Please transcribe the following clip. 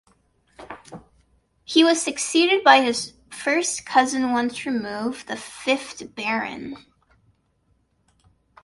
He was succeeded by his first cousin once removed, the fifth Baron.